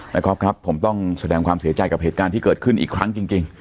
ก๊อฟครับผมต้องแสดงความเสียใจกับเหตุการณ์ที่เกิดขึ้นอีกครั้งจริง